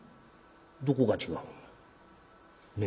どこが違うんや？